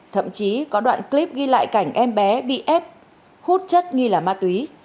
thậm chí có đoạn clip ghi lại cảnh em bé bị ép hút chất nghi là ma túy